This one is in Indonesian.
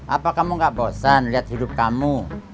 apa kamu gak bosan lihat hidup kamu